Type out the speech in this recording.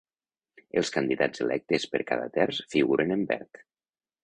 Els candidats electes per cada terç figuren en verd.